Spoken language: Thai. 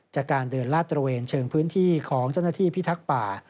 จากการเดินลาดตระเวนเชิงพื้นที่ของเจ้าหน้าที่พิทักษ์ป่า